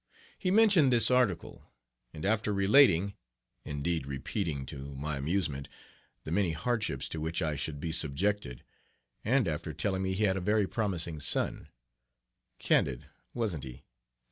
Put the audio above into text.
He mentioned this article, and after relating indeed, repeating, to my amusement, the many hardships to which I should be subjected, and after telling me he had a very promising son candid, wasn't he?